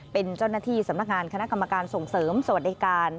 เป็นเจ้าหน้าที่สำนักงานคณะกรรมการส่งเสริมสวัสดิการ